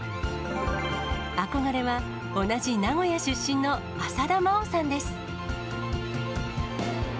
憧れは、同じ名古屋出身の浅田真央さんです。